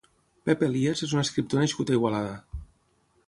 Pep Elías és un escriptor nascut a Igualada.